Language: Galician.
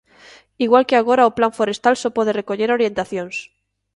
Igual que agora o Plan forestal só pode recoller orientacións.